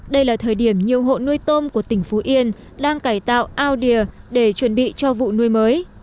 đây là thời điểm nhiều hộ nuôi tôm của tỉnh phú yên đang cải tạo ao đìa để chuẩn bị cho vụ nuôi mới